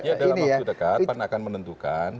ya dalam waktu dekat pan akan menentukan